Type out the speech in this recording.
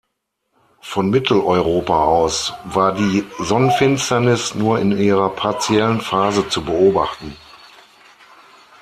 Von Mitteleuropa aus war die Sonnenfinsternis nur in ihrer partiellen Phase zu beobachten.